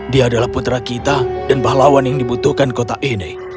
dia adalah putra kita dan pahlawan yang dibutuhkan kota ini